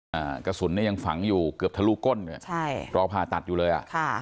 อ่ากระสุนเนี้ยยังฝังอยู่เกือบทะลุก้นเนี่ยใช่รอผ่าตัดอยู่เลยอ่ะค่ะ